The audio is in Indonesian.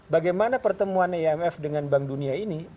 bagaimana pertemuan imf dengan bank dunia ini